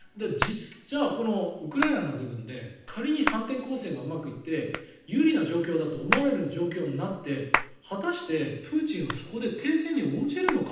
じゃあウクライナの部分で仮に反転攻勢がうまくいって有利な状況だと思われるような状況になって果たして、プーチンはそこで停戦に応じるのか。